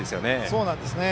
そうなんですよね。